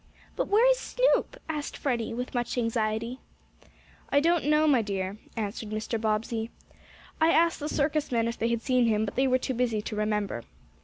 "But where is Snoop?" asked Freddie, with much anxiety. "I don't know, my dear," answered Mr. Bobbsey. "I asked the circus men if they had seen him, but they were too busy to remember.